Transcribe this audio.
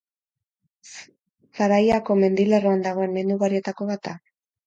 Zaraiako mendilerroan dagoen mendi ugarietako bat da.